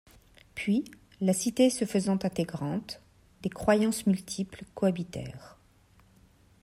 Puis, la cité se faisant intégrante, des croyances multiples cohabitèrent.